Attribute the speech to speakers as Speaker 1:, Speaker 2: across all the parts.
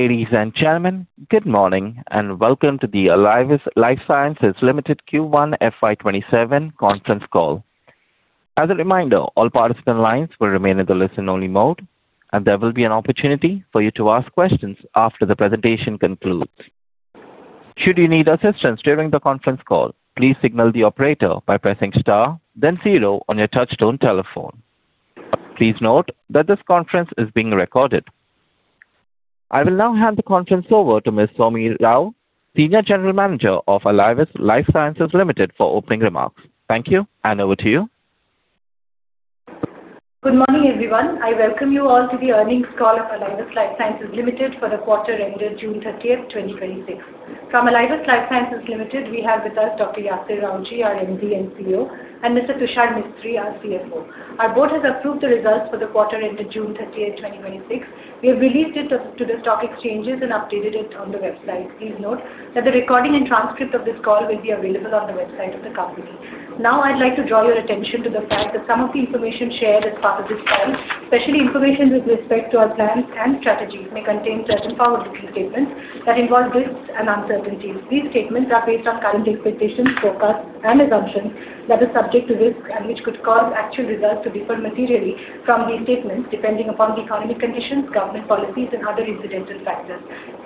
Speaker 1: Ladies and gentlemen, good morning and welcome to the Alivus Life Sciences Limited Q1 FY 2027 conference call. As a reminder, all participant lines will remain in the listen-only mode and there will be an opportunity for you to ask questions after the presentation concludes. Should you need assistance during the conference call, please signal the operator by pressing star then zero on your touch-tone telephone. Please note that this conference is being recorded. I will now hand the conference over to Ms. Soumi Rao, Senior General Manager of Alivus Life Sciences Limited, for opening remarks. Thank you, and over to you.
Speaker 2: Good morning, everyone. I welcome you all to the earnings call of Alivus Life Sciences Limited for the quarter ended June 30th, 2026. From Alivus Life Sciences Limited, we have with us Dr. Yasir Rawjee, our MD and CEO, and Mr. Tushar Mistry, our CFO. Our board has approved the results for the quarter ended June 30th, 2026. We have released it to the stock exchanges and updated it on the website. Please note that the recording and transcript of this call will be available on the website of the company. I'd like to draw your attention to the fact that some of the information shared as part of this call, especially information with respect to our plans and strategies, may contain certain forward-looking statements that involve risks and uncertainties. These statements are based on current expectations, forecasts and assumptions that are subject to risks and which could cause actual results to differ materially from these statements, depending upon the economic conditions, government policies and other incidental factors.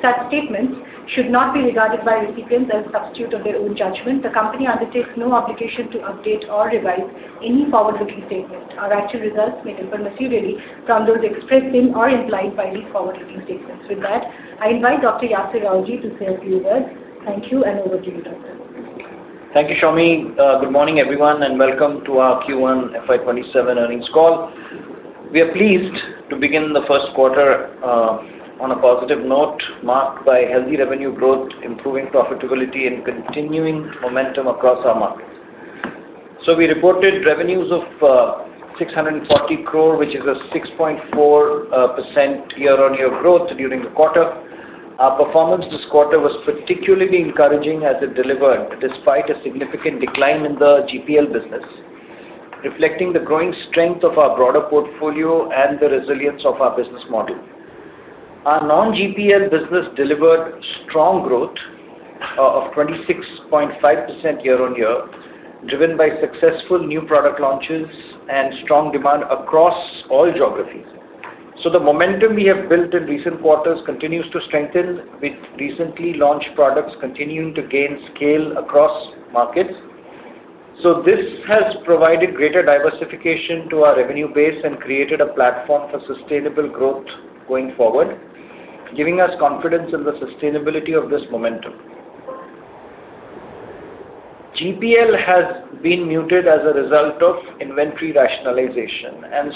Speaker 2: Such statements should not be regarded by recipients as a substitute of their own judgment. The company undertakes no obligation to update or revise any forward-looking statement. Our actual results may differ materially from those expressed in or implied by these forward-looking statements. I invite Dr. Yasir Rawjee to say a few words. Thank you, and over to you, doctor.
Speaker 3: Thank you, Soumi. Good morning, everyone, and welcome to our Q1 FY 2027 earnings call. We are pleased to begin the first quarter on a positive note marked by healthy revenue growth, improving profitability and continuing momentum across our markets. We reported revenues of 640 crore, which is a 6.4% year-on-year growth during the quarter. Our performance this quarter was particularly encouraging as it delivered despite a significant decline in the GPL business, reflecting the growing strength of our broader portfolio and the resilience of our business model. Our non-GPL business delivered strong growth of 26.5% year-on-year, driven by successful new product launches and strong demand across all geographies. The momentum we have built in recent quarters continues to strengthen with recently launched products continuing to gain scale across markets. This has provided greater diversification to our revenue base and created a platform for sustainable growth going forward, giving us confidence in the sustainability of this momentum. GPL has been muted as a result of inventory rationalization, and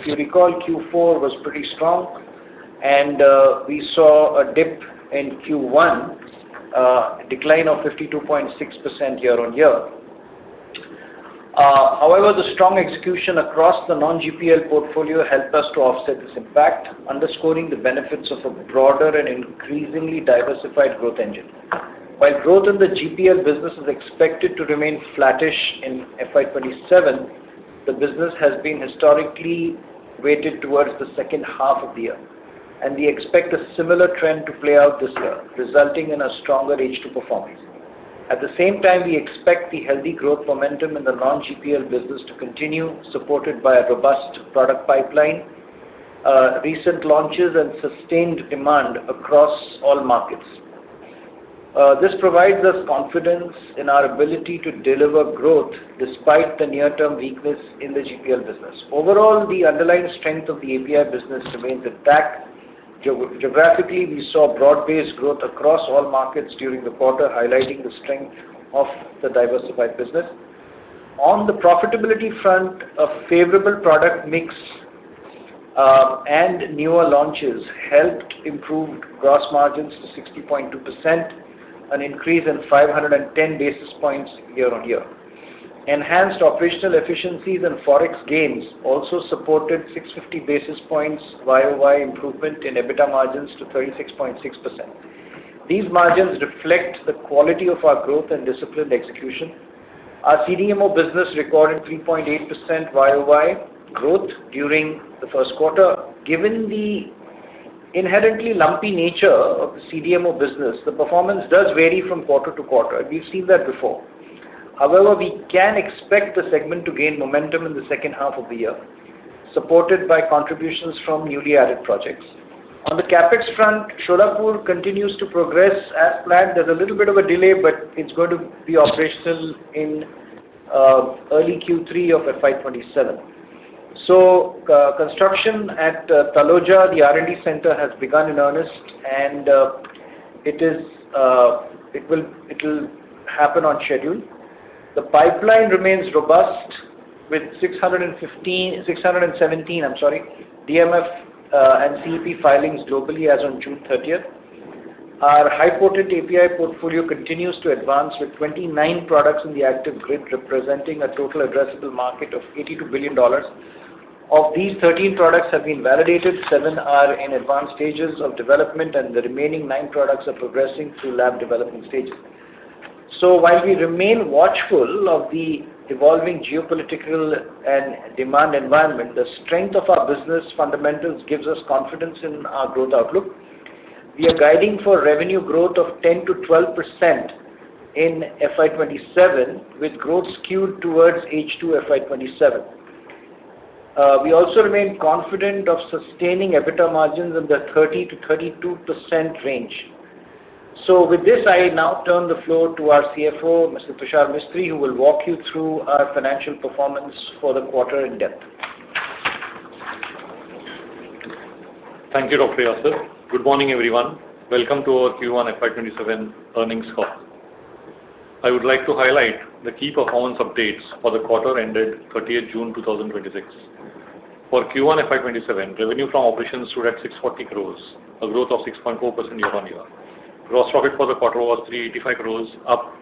Speaker 3: if you recall, Q4 was pretty strong and we saw a dip in Q1, a decline of 52.6% year-on-year. However, the strong execution across the non-GPL portfolio helped us to offset this impact, underscoring the benefits of a broader and increasingly diversified growth engine. While growth in the GPL business is expected to remain flattish in FY 2027, the business has been historically weighted towards the second half of the year, and we expect a similar trend to play out this year, resulting in a stronger H2 performance. At the same time, we expect the healthy growth momentum in the non-GPL business to continue, supported by a robust product pipeline, recent launches and sustained demand across all markets. This provides us confidence in our ability to deliver growth despite the near-term weakness in the GPL business. Overall, the underlying strength of the API business remains intact. Geographically, we saw broad-based growth across all markets during the quarter, highlighting the strength of the diversified business. On the profitability front, a favorable product mix and newer launches helped improve gross margins to 60.2%, an increase in 510 basis points year-on-year. Enhanced operational efficiencies and Forex gains also supported 650 basis points YoY improvement in EBITDA margins to 36.6%. These margins reflect the quality of our growth and disciplined execution. Our CDMO business recorded 3.8% YoY growth during the first quarter. Given the inherently lumpy nature of the CDMO business, the performance does vary from quarter-to-quarter. We've seen that before. However, we can expect the segment to gain momentum in the second half of the year, supported by contributions from newly added projects. On the CapEx front, Solapur continues to progress as planned. There's a little bit of a delay, but it's going to be operational in early Q3 of FY 2027. Construction at Taloja, the R&D center, has begun in earnest and it will happen on schedule. The pipeline remains robust with 617 DMF and CEP filings globally as on June 30. Our high-potent API portfolio continues to advance with 29 products in the active grid, representing a total addressable market of $82 billion. Of these, 13 products have been validated, seven are in advanced stages of development, and the remaining nine products are progressing through lab development stages. While we remain watchful of the evolving geopolitical and demand environment, the strength of our business fundamentals gives us confidence in our growth outlook. We are guiding for revenue growth of 10%-12% in FY 2027, with growth skewed towards H2 FY 2027. We also remain confident of sustaining EBITDA margins in the 30%-32% range. With this, I now turn the floor to our CFO, Mr. Tushar Mistry, who will walk you through our financial performance for the quarter in depth.
Speaker 4: Thank you, Dr. Yasir. Good morning, everyone. Welcome to our Q1 FY 2027 earnings call. I would like to highlight the key performance updates for the quarter ended 30th June 2026. For Q1 FY 2027, revenue from operations stood at 640 crores, a growth of 6.4% year-on-year. Gross profit for the quarter was 385 crores, up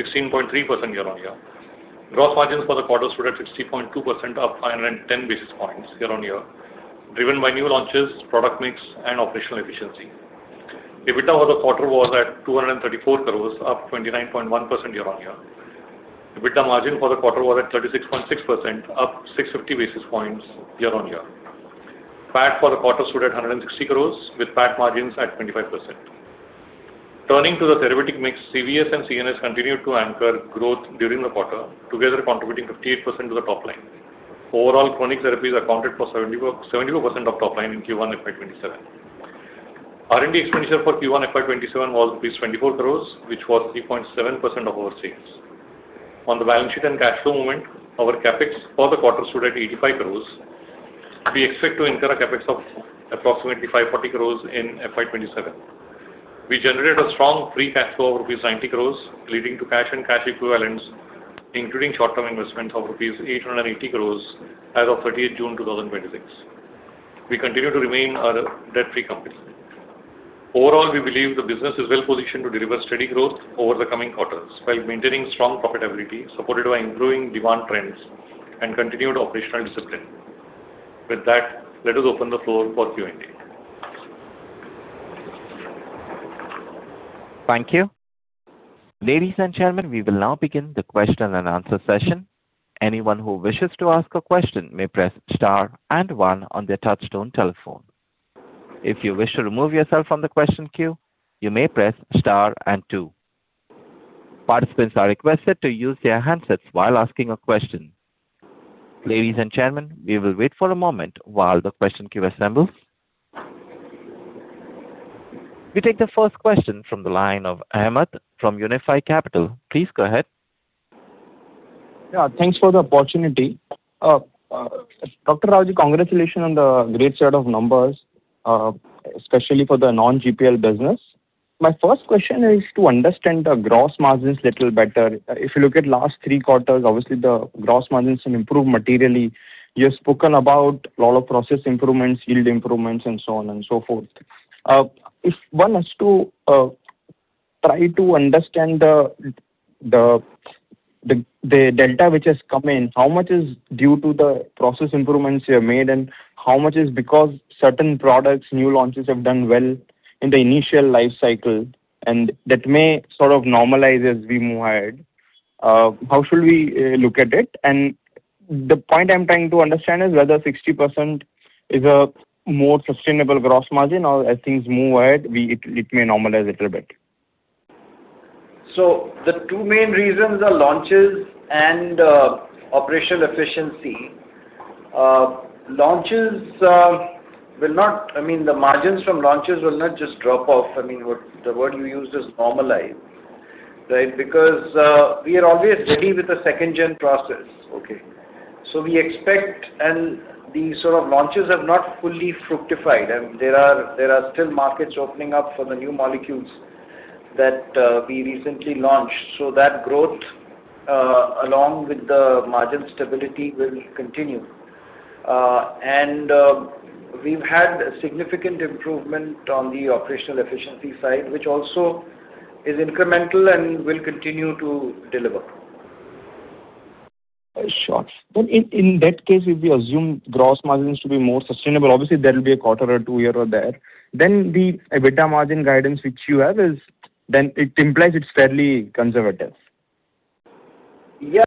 Speaker 4: 16.3% year-on-year. Gross margins for the quarter stood at 60.2%, up 510 basis points year-on-year, driven by new launches, product mix and operational efficiency. EBITDA for the quarter was at 234 crores, up 29.1% year-on-year. EBITDA margin for the quarter was at 36.6%, up 650 basis points year-on-year. PAT for the quarter stood at 160 crores with PAT margins at 25%. Turning to the therapeutic mix, CVS and CNS continued to anchor growth during the quarter, together contributing 58% to the top line. Overall, chronic therapies accounted for 72% of top line in Q1 FY 2027. R&D expenditure for Q1 FY 2027 was INR 24 crores, which was 3.7% of our sales. On the balance sheet and cash flow movement, our CapEx for the quarter stood at 85 crores. We expect to incur a CapEx of approximately 540 crores in FY 2027. We generated a strong free cash flow of rupees 90 crores, leading to cash and cash equivalents, including short-term investments of rupees 880 crores as of 30th June 2026. We continue to remain a debt-free company. Overall, we believe the business is well-positioned to deliver steady growth over the coming quarters while maintaining strong profitability, supported by improving demand trends and continued operational discipline. With that, let us open the floor for Q&A.
Speaker 1: Thank you. Ladies and gentlemen, we will now begin the question and answer session. Anyone who wishes to ask a question may press star and one on their touch-tone telephone. If you wish to remove yourself from the question queue, you may press star and two. Participants are requested to use their handsets while asking a question. Ladies and gentlemen, we will wait for a moment while the question queue assembles. We take the first question from the line of Ahmed from Unifi Capital. Please go ahead.
Speaker 5: Yeah, thanks for the opportunity. Dr. Rawjee, congratulations on the great set of numbers, especially for the non-GPL business. My first question is to understand the gross margins a little better. If you look at last three quarters, obviously the gross margins have improved materially. You have spoken about a lot of process improvements, yield improvements, and so on and so forth. If one has to try to understand the delta which has come in, how much is due to the process improvements you have made, and how much is because certain products, new launches have done well in the initial life cycle, and that may sort of normalize as we move ahead. How should we look at it? And the point I'm trying to understand is whether 60% is a more sustainable gross margin or as things move ahead, it may normalize a little bit.
Speaker 3: The two main reasons are launches and operational efficiency. The margins from launches will not just drop off, the word you used is normalize, right? Because we are already ready with the second-gen process. Okay. We expect, and these sort of launches have not fully fructified, and there are still markets opening up for the new molecules that we recently launched. That growth, along with the margin stability, will continue. We've had a significant improvement on the operational efficiency side, which also is incremental and will continue to deliver.
Speaker 5: Sure. In that case, if we assume gross margins to be more sustainable, obviously there will be a quarter or two here or there. The EBITDA margin guidance which you have, it implies it is fairly conservative.
Speaker 3: Yeah.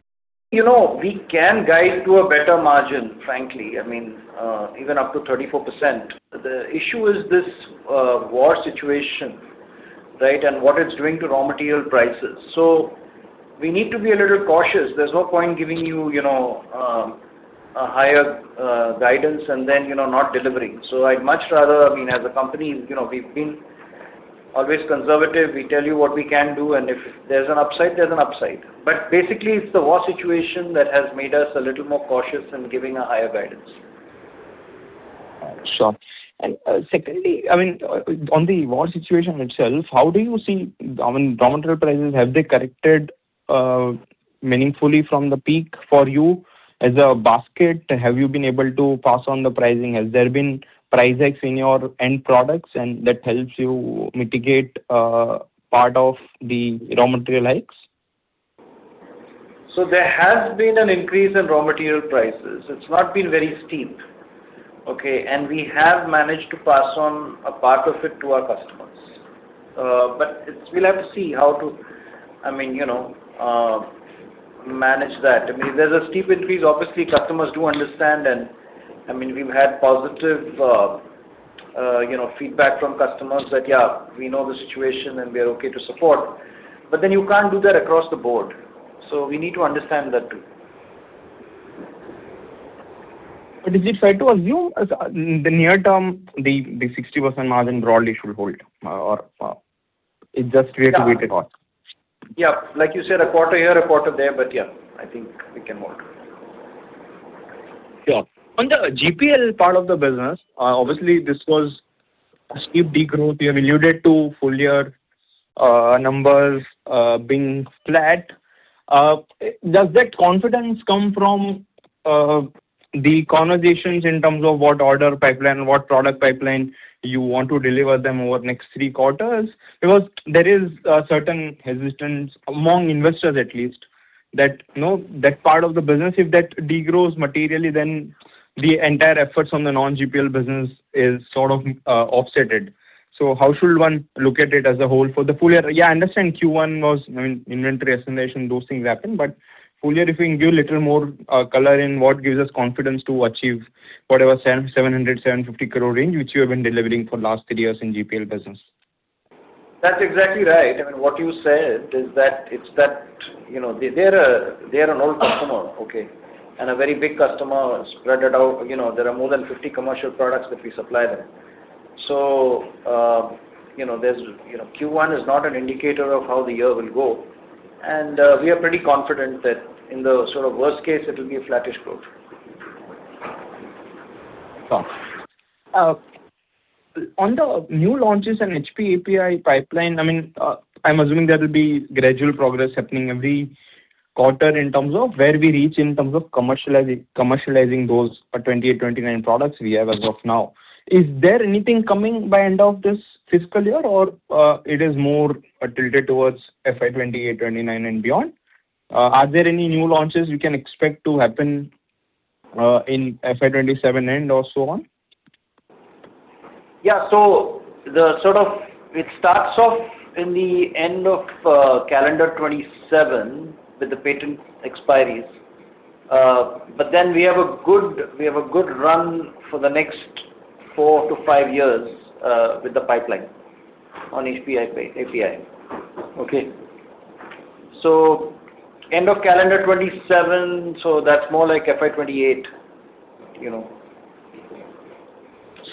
Speaker 3: We can guide to a better margin, frankly, even up to 34%. The issue is this war situation, right, and what it is doing to raw material prices. We need to be a little cautious. There is no point giving you a higher guidance and then not delivering. I would much rather, as a company, we have been always conservative. We tell you what we can do, and if there is an upside, there is an upside. Basically, it is the war situation that has made us a little more cautious in giving a higher guidance.
Speaker 5: Sure. Secondly, on the war situation itself, how do you see raw material prices? Have they corrected meaningfully from the peak for you as a basket? Have you been able to pass on the pricing? Has there been price hikes in your end products and that helps you mitigate part of the raw material hikes?
Speaker 3: There has been an increase in raw material prices. It's not been very steep. We have managed to pass on a part of it to our customers. We'll have to see how to manage that. There's a steep increase. Customers do understand, and we've had positive feedback from customers that, "Yeah, we know the situation, and we are okay to support." You can't do that across the board. We need to understand that too.
Speaker 5: Is it fair to assume as the near term, the 60% margin broadly should hold? It's just wait to wait and watch.
Speaker 3: Like you said, a quarter here, a quarter there, I think we can hold.
Speaker 5: On the GPL part of the business, this was a steep degrowth. You have alluded to full-year numbers being flat. Does that confidence come from the conversations in terms of what order pipeline, what product pipeline you want to deliver them over the next three quarters? There is a certain resistance among investors at least that part of the business, if that degrows materially, then the entire efforts on the non-GPL business is sort of offsetted. How should one look at it as a whole for the full year? I understand Q1 was inventory estimation. Those things happen. Full year, if we can give a little more color in what gives us confidence to achieve whatever 700 crore-750 crore range which you have been delivering for the last three years in the GPL business.
Speaker 3: That's exactly right. I mean, what you said is that they are an old customer, okay, and a very big customer spread out. There are more than 50 commercial products that we supply them. Q1 is not an indicator of how the year will go. We are pretty confident that in the sort of worst case, it will be a flattish growth.
Speaker 5: Sure. On the new launches and HPAPI pipeline, I'm assuming there will be gradual progress happening every quarter in terms of where we reach in terms of commercializing those 28, 29 products we have as of now. Is there anything coming by end of this fiscal year, or it is more tilted towards FY 2028, 2029 and beyond? Are there any new launches we can expect to happen in FY 2027 end or so on?
Speaker 3: Yeah. It starts off in the end of calendar 2027 with the patent expiries. We have a good run for the next four to five years with the pipeline on HPAPI. Okay. End of calendar 2027. That's more like FY 2028.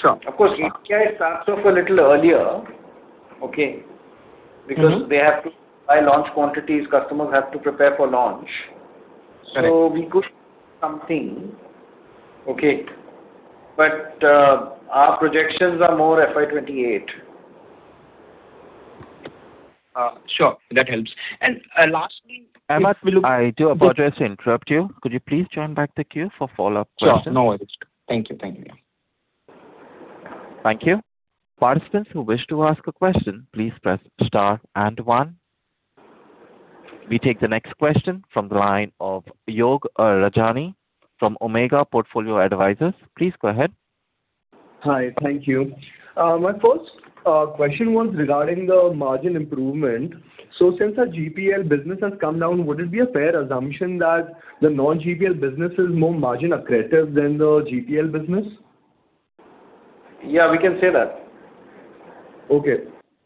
Speaker 5: Sure.
Speaker 3: Of course, API starts off a little earlier, okay, because they have to buy launch quantities. Customers have to prepare for launch.
Speaker 5: Correct.
Speaker 3: We could see something. Okay. Our projections are more FY 2028.
Speaker 5: Sure. That helps.
Speaker 1: Ahmed, I do apologize to interrupt you. Could you please join back the queue for follow-up questions?
Speaker 5: Sure. No worries. Thank you. Thank you.
Speaker 1: Participants who wish to ask a question, please press star and one. We take the next question from the line of Yog Rajani from Omega Portfolio Advisors. Please go ahead.
Speaker 6: Hi. Thank you. My first question was regarding the margin improvement. Since our GPL business has come down, would it be a fair assumption that the non-GPL business is more margin accretive than the GPL business?
Speaker 3: Yeah, we can say that.
Speaker 6: Okay,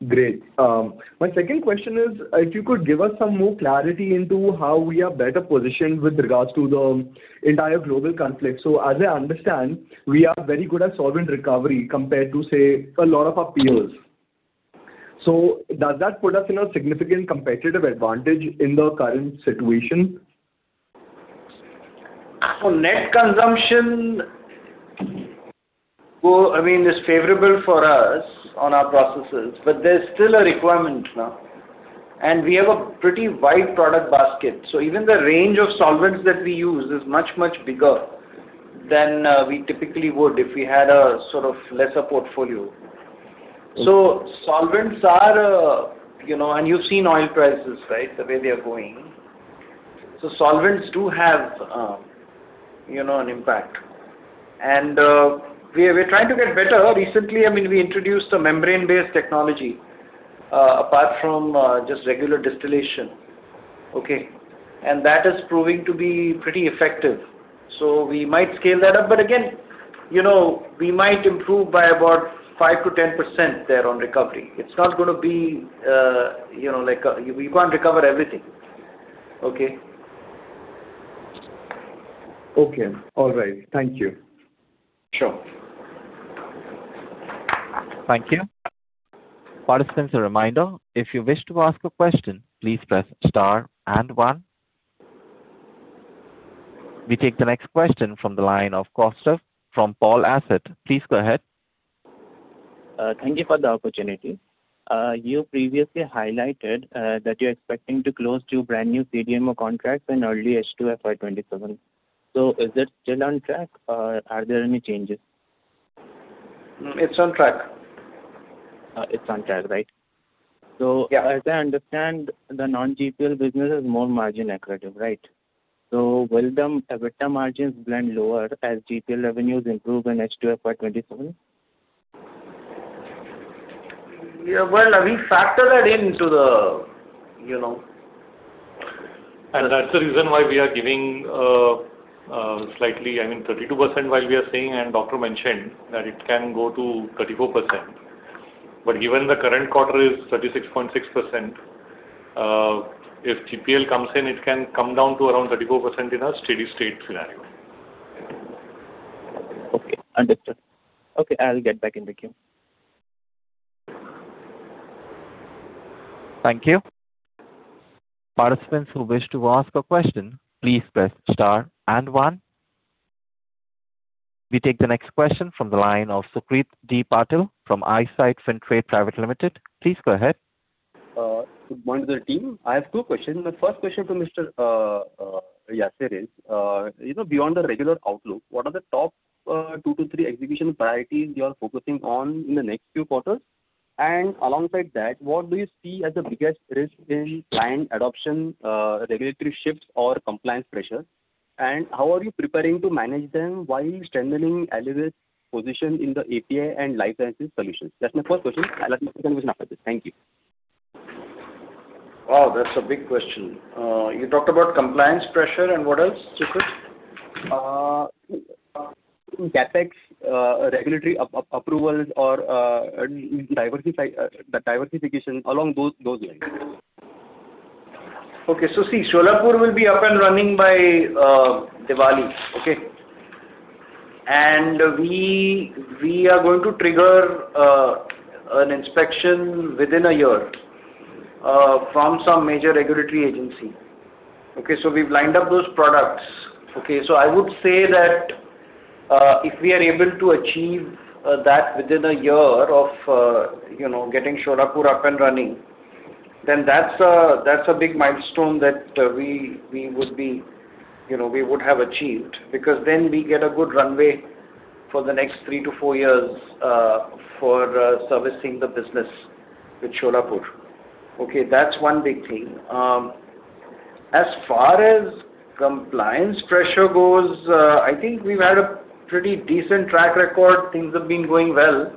Speaker 6: great. My second question is if you could give us some more clarity into how we are better positioned with regards to the entire global conflict. As I understand, we are very good at solvent recovery compared to, say, a lot of our peers. Does that put us in a significant competitive advantage in the current situation?
Speaker 3: Net consumption is favorable for us on our processes, but there's still a requirement now, and we have a pretty wide product basket. Even the range of solvents that we use is much, much bigger than we typically would if we had a sort of lesser portfolio. You've seen oil prices, right, the way they are going. Solvents do have an impact. We're trying to get better. Recently, we introduced a membrane-based technology apart from just regular distillation. That is proving to be pretty effective. We might scale that up. Again, we might improve by about 5%-10% there on recovery. It's not going to be like we can't recover everything.
Speaker 6: Okay. All right. Thank you.
Speaker 3: Sure.
Speaker 1: Thank you. Participants, a reminder. If you wish to ask a question, please press star and one. We take the next question from the line of Kaustav from Paul Asset. Please go ahead.
Speaker 7: Thank you for the opportunity. You previously highlighted that you're expecting to close two brand new CDMO contracts in early H2 FY 2027. Is this still on track or are there any changes?
Speaker 3: It's on track.
Speaker 7: It's on track, right?
Speaker 3: Yeah.
Speaker 7: As I understand, the non-GPL business is more margin accretive, right? Will the EBITDA margins blend lower as GPL revenues improve in H2 FY 2027?
Speaker 3: Yeah. Well, we factor that in.
Speaker 4: That's the reason why we are giving slightly, I mean, 32% while we are saying, and doctor mentioned, that it can go to 34%. Given the current quarter is 36.6%, if GPL comes in, it can come down to around 34% in a steady state scenario.
Speaker 7: Okay, understood. Okay, I'll get back in the queue.
Speaker 1: Thank you. Participants who wish to ask a question, please press star and one. We take the next question from the line of Sucrit D. Patil from Eyesight Fintrade Pvt Ltd. Please go ahead.
Speaker 8: Good morning to the team. I have two questions. The first question to Mr. Yasir is, beyond the regular outlook, what are the top two to three execution priorities you are focusing on in the next few quarters? Alongside that, what do you see as the biggest risk in client adoption, regulatory shifts, or compliance pressure? How are you preparing to manage them while strengthening Alivus' position in the API and life sciences solutions? That's my first question. I'll ask my second question after this. Thank you.
Speaker 3: Wow, that's a big question. You talked about compliance pressure and what else, Sucrit?
Speaker 8: CapEx, regulatory approvals or the diversification, along those lines.
Speaker 3: Okay. Solapur will be up and running by Diwali. Okay. We are going to trigger an inspection within a year from some major regulatory agency. We've lined up those products. I would say that if we are able to achieve that within a year of getting Solapur up and running, then that's a big milestone that we would have achieved, because then we get a good runway for the next three to four years for servicing the business with Solapur. Okay. That's one big thing. As far as compliance pressure goes, I think we've had a pretty decent track record. Things have been going well.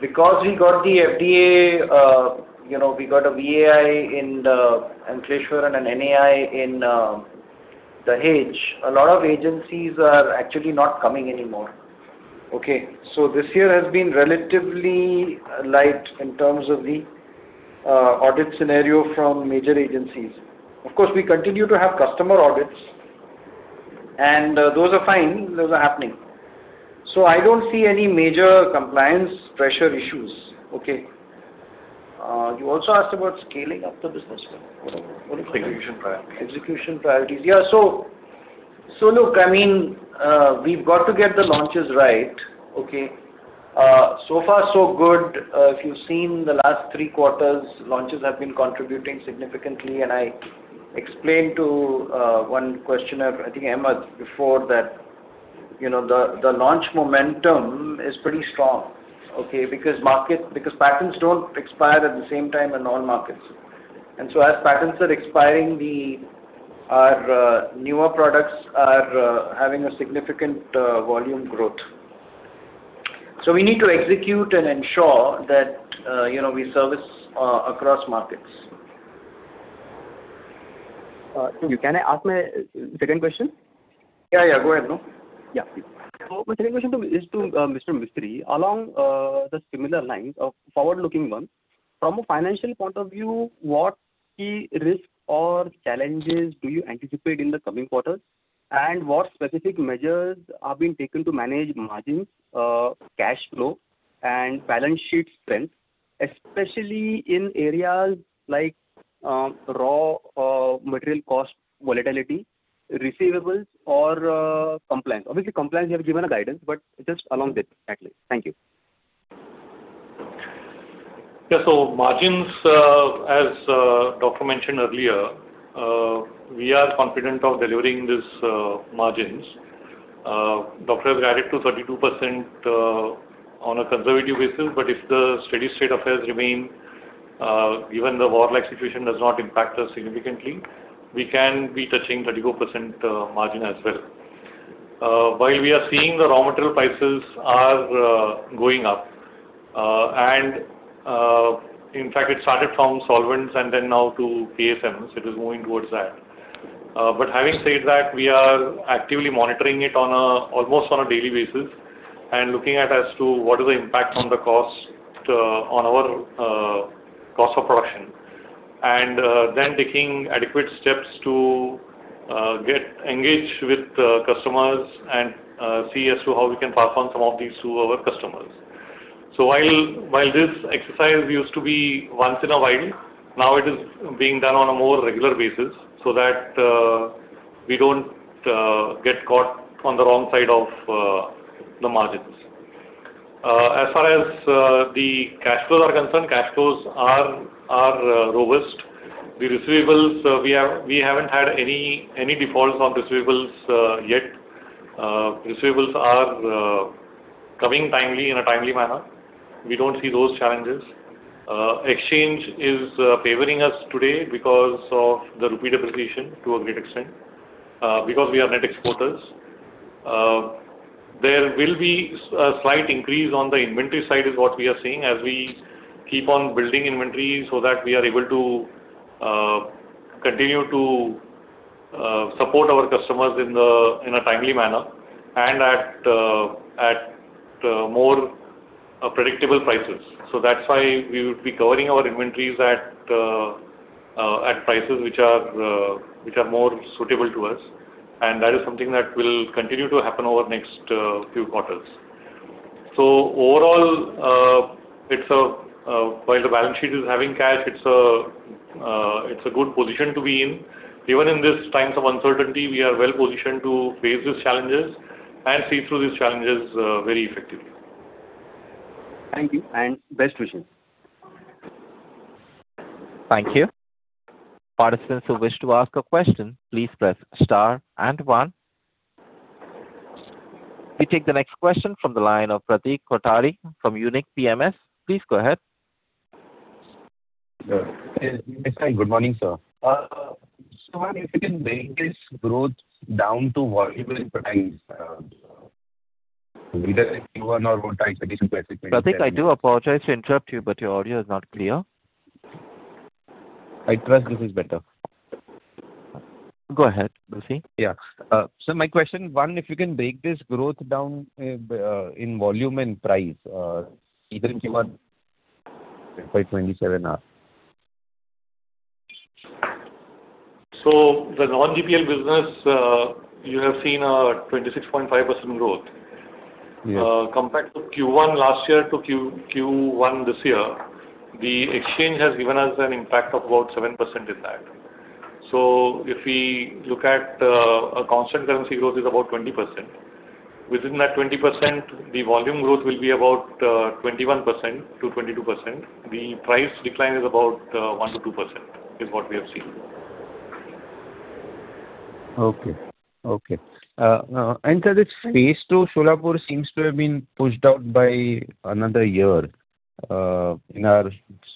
Speaker 3: Because we got the FDA, we got a VAI in the Ankleshwar and an NAI in Dahej, a lot of agencies are actually not coming anymore. Okay. This year has been relatively light in terms of the audit scenario from major agencies. Of course, we continue to have customer audits, those are fine. Those are happening. I don't see any major compliance pressure issues. Okay. You also asked about scaling up the business. What is that?
Speaker 4: Execution priorities.
Speaker 3: Look, we've got to get the launches right. Okay. Far, so good. If you've seen the last three quarters, launches have been contributing significantly, and I explained to one questioner, I think Ahmed, before that the launch momentum is pretty strong. Patents don't expire at the same time in all markets. As patents are expiring, our newer products are having a significant volume growth. We need to execute and ensure that we service across markets.
Speaker 8: Thank you. Can I ask my second question?
Speaker 3: Yeah. Go ahead.
Speaker 8: Yeah. My second question is to Mr. Mistry. Along the similar lines of forward-looking ones, from a financial point of view, what key risks or challenges do you anticipate in the coming quarters, and what specific measures are being taken to manage margins, cash flow, and balance sheet strength, especially in areas like raw material cost volatility, receivables, or compliance? Obviously, compliance, you have given a guidance, just along that exactly. Thank you.
Speaker 4: Yeah. Margins, as Doctor mentioned earlier, we are confident of delivering these margins. Doctor has guided to 32% on a conservative basis, if the steady state affairs remain, even the war-like situation does not impact us significantly, we can be touching 34% margin as well. While we are seeing the raw material prices are going up, in fact, it started from solvents now to KSMs. It is moving towards that. Having said that, we are actively monitoring it almost on a daily basis and looking at as to what is the impact on our cost of production. Taking adequate steps to get engaged with customers and see as to how we can pass on some of these to our customers. While this exercise used to be once in a while, now it is being done on a more regular basis so that we don't get caught on the wrong side of the margins. As far as the cash flows are concerned, cash flows are robust. The receivables, we haven't had any defaults on receivables yet. Receivables are coming in a timely manner. We don't see those challenges. Exchange is favoring us today because of the rupee depreciation to a great extent, because we are net exporters. There will be a slight increase on the inventory side is what we are seeing as we keep on building inventory so that we are able to continue to support our customers in a timely manner and at more predictable prices. That's why we would be covering our inventories at prices which are more suitable to us, that is something that will continue to happen over the next few quarters. Overall, while the balance sheet is having cash, it's a good position to be in. Even in these times of uncertainty, we are well-positioned to face these challenges and see through these challenges very effectively.
Speaker 8: Thank you and best wishes.
Speaker 1: Thank you. Participants who wish to ask a question, please press star one. We take the next question from the line of Pratik Kothari from Unique PMS. Please go ahead.
Speaker 9: Yes. Good morning, sir. If you can break this growth down to volume and price, either in Q1 or-
Speaker 1: Pratik, I do apologize to interrupt you, but your audio is not clear.
Speaker 9: I trust this is better.
Speaker 1: Go ahead, Pratik.
Speaker 9: Yeah. Sir, my question, one, if you can break this growth down in volume and price, either in Q1 or FY 2027.
Speaker 4: The non-GPL business, you have seen a 26.5% growth.
Speaker 9: Yes.
Speaker 4: Compared to Q1 last year to Q1 this year, the exchange has given us an impact of about 7% in that. If we look at a constant currency growth is about 20%. Within that 20%, the volume growth will be about 21%-22%. The price decline is about 1%-2%, is what we have seen.
Speaker 9: Okay. Sir, this phase II Solapur seems to have been pushed out by another year in our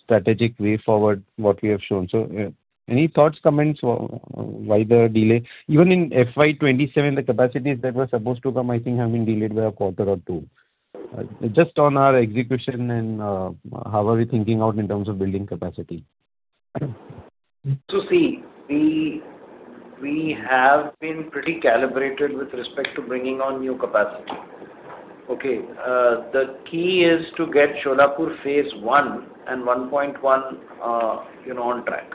Speaker 9: strategic way forward, what we have shown. Any thoughts, comments on why the delay? Even in FY 2027, the capacities that were supposed to come, I think, have been delayed by a quarter or two. Just on our execution and how are we thinking out in terms of building capacity.
Speaker 3: See, we have been pretty calibrated with respect to bringing on new capacity. Okay. The key is to get Solapur phase I and 1.1 on track.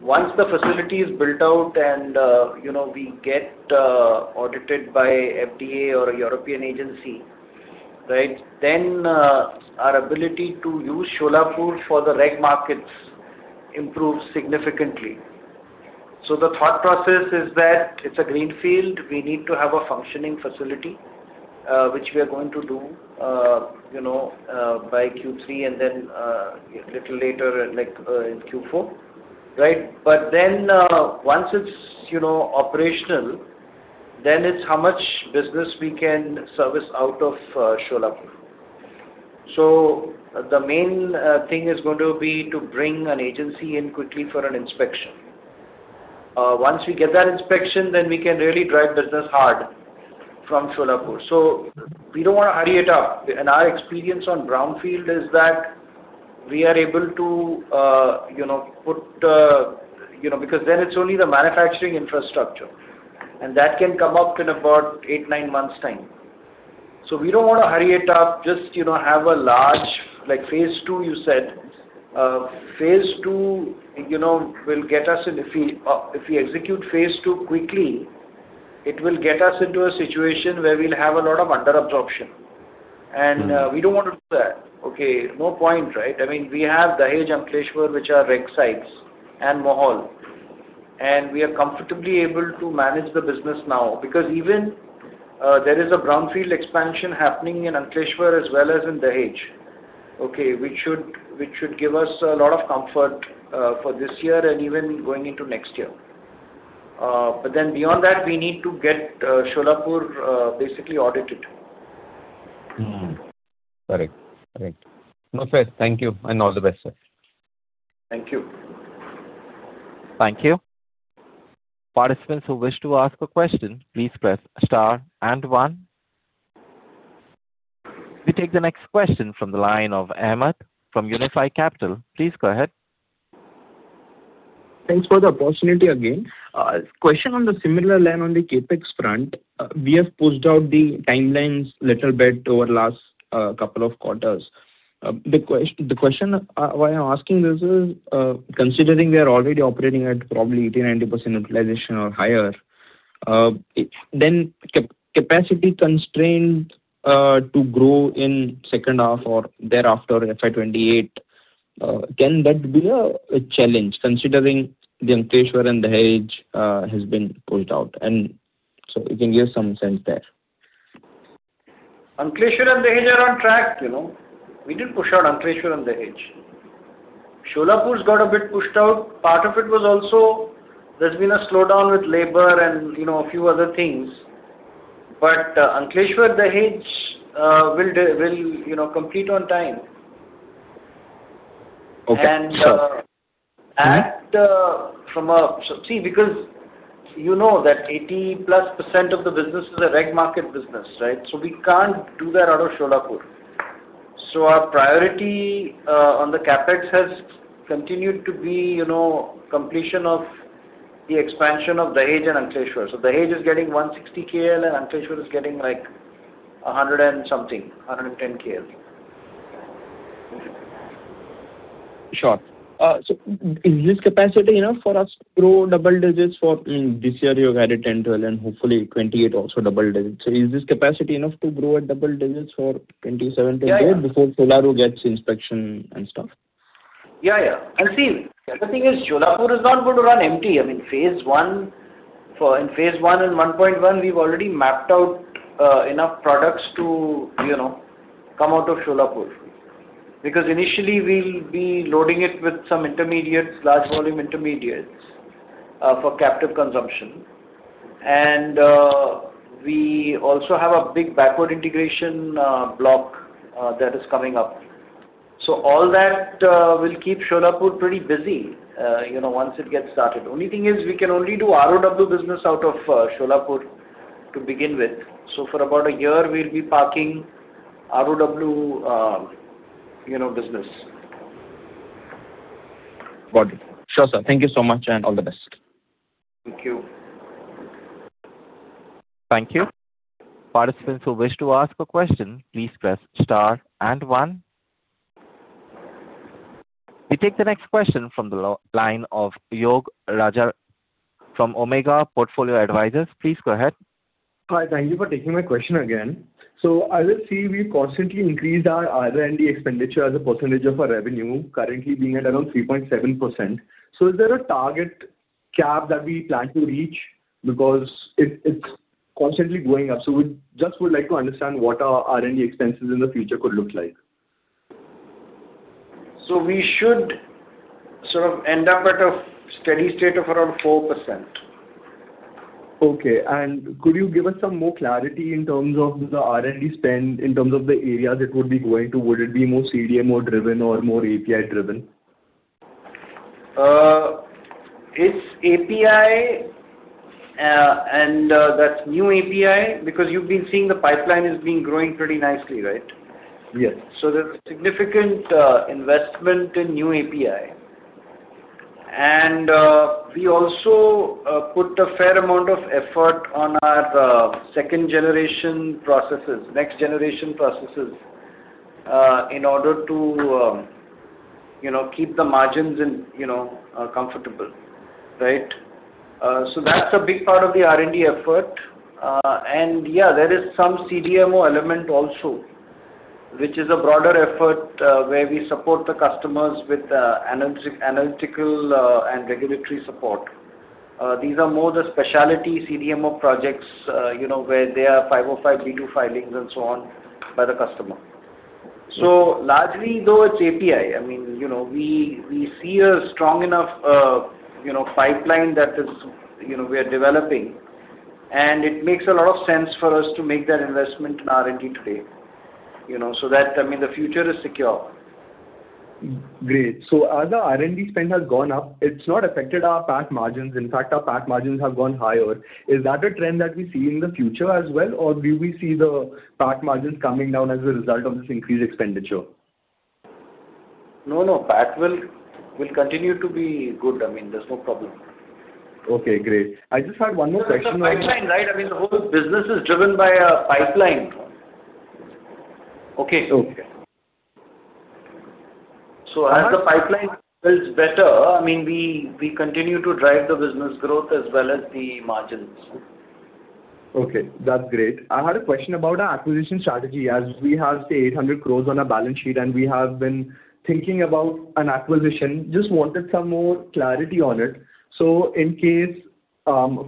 Speaker 3: Once the facility is built out and we get audited by FDA or a European agency, then our ability to use Solapur for the reg markets improves significantly. The thought process is that it's a greenfield. We need to have a functioning facility, which we are going to do by Q3 and then a little later in Q4, right? Once it's operational, then it's how much business we can service out of Solapur. The main thing is going to be to bring an agency in quickly for an inspection. Once we get that inspection, then we can really drive business hard from Solapur. We don't want to hurry it up. Our experience on brownfield is that then it's only the manufacturing infrastructure, and that can come up in about eight, nine months' time. We don't want to hurry it up, just have a large, like phase II you said. If we execute phase II quickly, it will get us into a situation where we'll have a lot of under-absorption, and we don't want to do that. Okay. No point, right? We have Dahej, Ankleshwar, which are reg sites, and Mohol. We are comfortably able to manage the business now because even there is a brownfield expansion happening in Ankleshwar as well as in Dahej, which should give us a lot of comfort for this year and even going into next year. Beyond that, we need to get Solapur basically audited.
Speaker 9: Mm-hmm. Correct. No, sir. Thank you and all the best, sir.
Speaker 3: Thank you.
Speaker 1: Thank you. Participants who wish to ask a question, please press star and one. We take the next question from the line of Ahmed from Unifi Capital. Please go ahead.
Speaker 5: Thanks for the opportunity again. Question on the similar line on the CapEx front. We have pushed out the timelines little bit over last couple of quarters. The question why I'm asking this is, considering we are already operating at probably 80%-90% utilization or higher, then capacity constraints to grow in second half or thereafter FY 2028? Can that be a challenge considering the Ankleshwar and Dahej has been pushed out? If you can give some sense there.
Speaker 3: Ankleshwar and Dahej are on track. We didn't push out Ankleshwar and Dahej. Solapur's got a bit pushed out. Part of it was also there's been a slowdown with labor and a few other things. Ankleshwar, Dahej will complete on time.
Speaker 5: Okay, sir.
Speaker 3: Because you know that 80%+ of the business is a reg market business, right? We can't do that out of Solapur. Our priority on the CapEx has continued to be completion of the expansion of Dahej and Ankleshwar. Dahej is getting 160 KL and Ankleshwar is getting 100 and something, 110 KL.
Speaker 5: Sure. Is this capacity enough for us to grow double digits for, this year you've had a 10, 12, and hopefully 2028 also double digits? Is this capacity enough to grow at double digits for 2027, 2028?
Speaker 3: Yeah.
Speaker 5: -before Solapur gets inspection and stuff?
Speaker 3: Yeah. See, the thing is Solapur is not going to run empty. In phase I and 1.1, we've already mapped out enough products to come out of Solapur. Initially we'll be loading it with some intermediates, large volume intermediates, for captive consumption. We also have a big backward integration block that is coming up. All that will keep Solapur pretty busy once it gets started. Only thing is, we can only do ROW business out of Solapur to begin with. For about a year, we'll be parking ROW business.
Speaker 5: Got it. Sure, sir. Thank you so much, and all the best.
Speaker 3: Thank you.
Speaker 1: Thank you. Participants who wish to ask a question, please press star and one. We take the next question from the line of Yog Rajani from Omega Portfolio Advisors. Please go ahead.
Speaker 6: Hi. Thank you for taking my question again. As I see, we've constantly increased our R&D expenditure as a percentage of our revenue, currently being at around 3.7%. Is there a target cap that we plan to reach? Because it's constantly going up. We just would like to understand what our R&D expenses in the future could look like.
Speaker 3: We should sort of end up at a steady state of around 4%.
Speaker 6: Okay. Could you give us some more clarity in terms of the R&D spend in terms of the areas it would be going to? Would it be more CDMO driven or more API driven?
Speaker 3: It's API and that's new API because you've been seeing the pipeline has been growing pretty nicely, right?
Speaker 6: Yes.
Speaker 3: There's significant investment in new API. We also put a fair amount of effort on our second generation processes, next generation processes, in order to keep the margins comfortable. Right? That's a big part of the R&D effort. Yeah, there is some CDMO element also, which is a broader effort, where we support the customers with analytical and regulatory support. These are more the specialty CDMO projects where there are 505(b)(2) filings and so on by the customer. Largely though, it's API. We see a strong enough pipeline that we are developing, and it makes a lot of sense for us to make that investment in R&D today, so that the future is secure.
Speaker 6: Great. As the R&D spend has gone up, it's not affected our PAT margins. In fact, our PAT margins have gone higher. Is that a trend that we see in the future as well, or do we see the PAT margins coming down as a result of this increased expenditure?
Speaker 3: No. PAT will continue to be good. There's no problem.
Speaker 6: Okay, great. I just had one more question-
Speaker 3: It's a pipeline, right? The whole business is driven by a pipeline. Okay.
Speaker 6: Okay.
Speaker 3: -as the pipeline builds better, we continue to drive the business growth as well as the margins.
Speaker 6: Okay, that's great. I had a question about our acquisition strategy, as we have, say, 800 crore on our balance sheet, and we have been thinking about an acquisition. Just wanted some more clarity on it. In case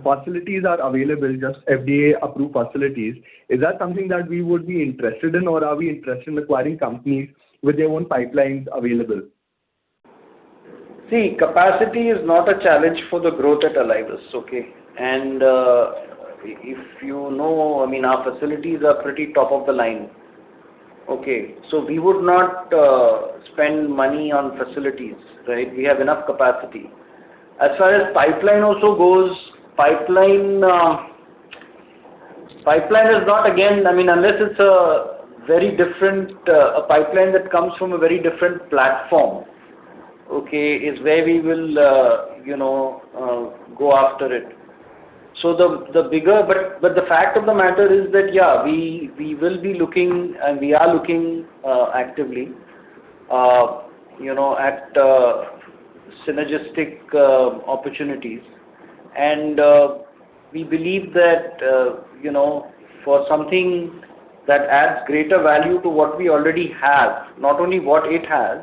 Speaker 6: facilities are available, just FDA-approved facilities, is that something that we would be interested in, or are we interested in acquiring companies with their own pipelines available?
Speaker 3: Capacity is not a challenge for the growth at Alivus. If you know, our facilities are pretty top of the line. We would not spend money on facilities. Right. We have enough capacity. As far as pipeline also goes, pipeline is not, again, unless it's a very different pipeline that comes from a very different platform, is where we will go after it. The fact of the matter is that we will be looking and we are looking actively at synergistic opportunities. We believe that for something that adds greater value to what we already have, not only what it has,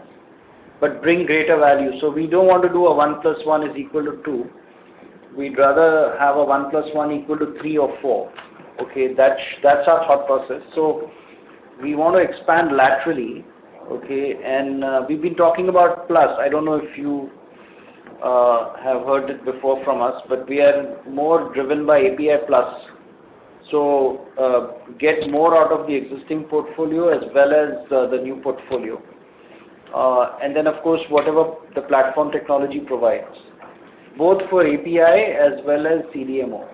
Speaker 3: but bring greater value. We don't want to do a one plus one is equal to two. We'd rather have a one plus one equal to three or four. That's our thought process. We want to expand laterally. We've been talking about plus, I don't know if you have heard it before from us, we are more driven by API plus. Get more out of the existing portfolio as well as the new portfolio. Of course, whatever the platform technology provides, both for API as well as CDMO.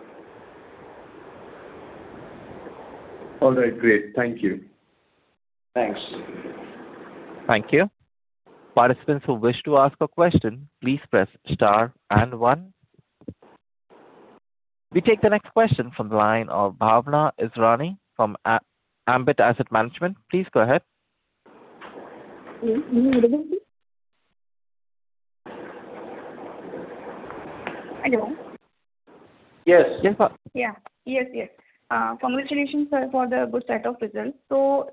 Speaker 6: All right. Great. Thank you.
Speaker 3: Thanks.
Speaker 1: Thank you. Participants who wish to ask a question, please press star and one. We take the next question from the line of Bhawana Israni from Ambit Asset Management. Please go ahead.
Speaker 10: Hello.
Speaker 3: Yes.
Speaker 10: Congratulations, sir, for the good set of results.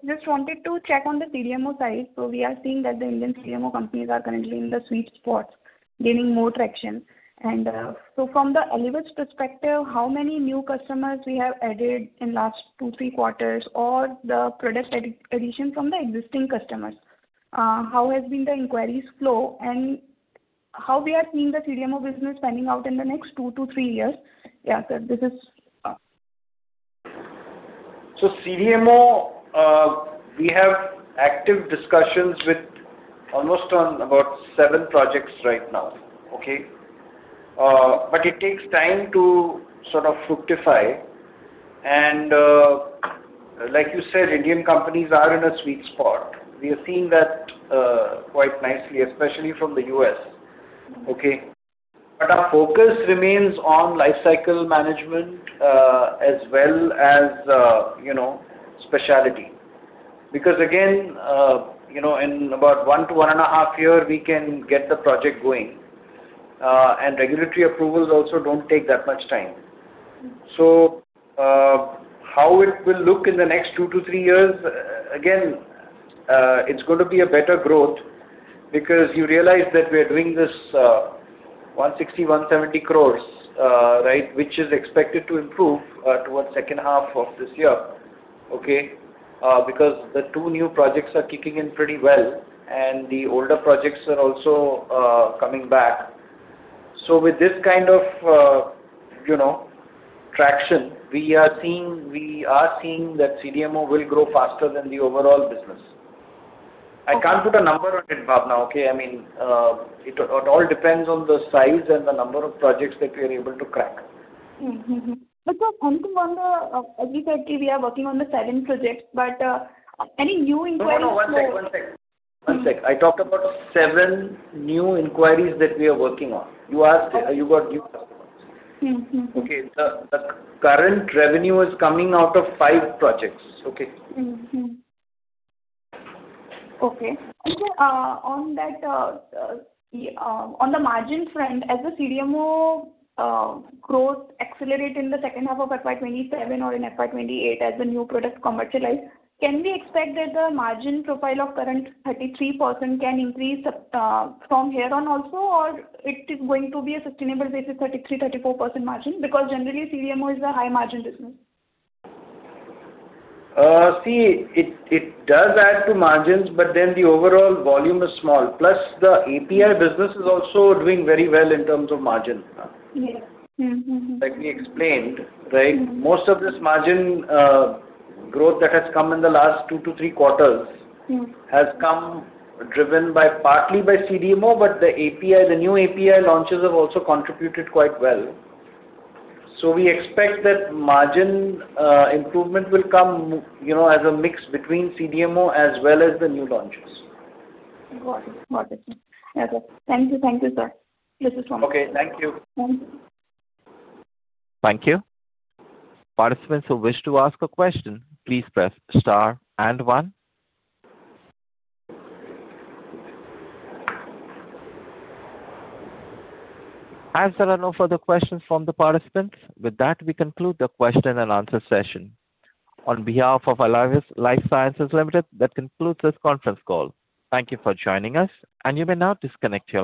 Speaker 10: Just wanted to check on the CDMO side. We are seeing that the Indian CDMO companies are currently in the sweet spot, gaining more traction. From the Alivus perspective, how many new customers we have added in last two, three quarters or the product addition from the existing customers? How has been the inquiries flow and how we are seeing the CDMO business panning out in the next two to three years? This is-
Speaker 3: CDMO, we have active discussions with almost on about 7 projects right now. It takes time to sort of fructify and like you said, Indian companies are in a sweet spot. We are seeing that quite nicely, especially from the U.S. Our focus remains on life cycle management as well as speciality. Again, in about one to one and a half year, we can get the project going. Regulatory approvals also don't take that much time. How it will look in the next two to three years? Again, it's going to be a better growth because you realize that we are doing this 160 crore, 170 crore, which is expected to improve towards second half of this year. The two new projects are kicking in pretty well and the older projects are also coming back. With this kind of traction, we are seeing that CDMO will grow faster than the overall business. I can't put a number on it, Bhawana. It all depends on the size and the number of projects that we are able to crack.
Speaker 10: Sir, as you said, we are working on the seven projects, any new inquiries-
Speaker 3: No. One sec. I talked about seven new inquiries that we are working on. You got- Okay. The current revenue is coming out of five projects. Okay.
Speaker 10: Mm-hmm. Okay. Sir, on the margin front, as the CDMO growth accelerate in the second half of FY 2027 or in FY 2028 as the new product commercialize, can we expect that the margin profile of current 33% can increase from here on also or it is going to be a sustainable basic 33%-34% margin? Because generally CDMO is a high margin business.
Speaker 3: It does add to margins, the overall volume is small. The API business is also doing very well in terms of margin.
Speaker 10: Yeah. Mm-hmm.
Speaker 3: Like we explained, most of this margin growth that has come in the last two to three quarters has come driven partly by CDMO. The new API launches have also contributed quite well. We expect that margin improvement will come as a mix between CDMO as well as the new launches.
Speaker 10: Got it. Yeah, sir. Thank you, sir. This is from my side.
Speaker 3: Okay. Thank you.
Speaker 10: Thanks.
Speaker 1: Thank you. Participants who wish to ask a question, please press star and one. As there are no further questions from the participants, with that, we conclude the question and answer session. On behalf of Alivus Life Sciences Limited, that concludes this conference call. Thank you for joining us, and you may now disconnect your.